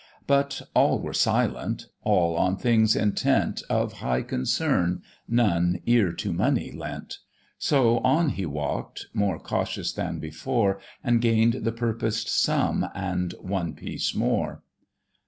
But all were silent, all on things intent Of high concern, none ear to money lent; So on he walk'd, more cautious than before, And gain'd the purposed sum and one piece more.